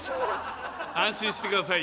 安心して下さい。